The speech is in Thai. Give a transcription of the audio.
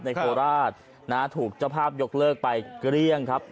โคราชถูกเจ้าภาพยกเลิกไปเกลี้ยงครับ